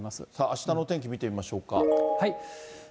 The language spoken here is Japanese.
あしたのお天気見ていきましょうか。